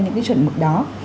những cái chuẩn mực đó